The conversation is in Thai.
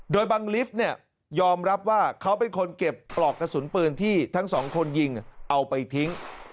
โดยบังลิฟต์เนี่ยยอมรับว่าเขาเป็นคนเก็บปลอกกระสุนปืนที่ทั้งสองคนยิงเอาไปทิ้ง